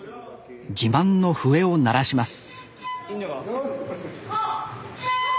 自慢の笛を鳴らします